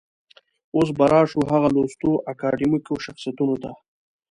اوس به راشو هغه لوستو اکاډمیکو شخصيتونو ته.